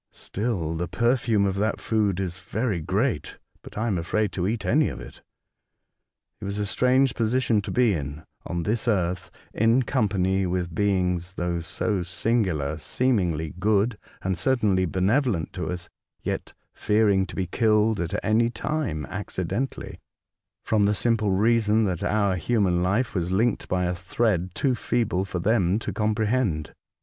Still, the perfume of that food is very grateful, but I am afraid to eat any of it." It was a strange position to be in — on this earth, in company with beings, though so singular, seemingly good, and certainly bene volent to us ; yet fearing to be killed at any time accidentally, from the simple reason that our human life was linked by a thread too feeble for them to comprehend.